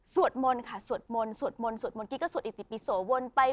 สวดมนต์ค่ะสวดมนต์กิ๊ก็สวดอิติปิโสวนไป